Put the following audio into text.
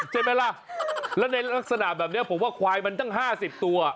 ใช่ไหมล่ะแล้วในลักษณะแบบนี้ผมว่าควายมันตั้ง๕๐ตัว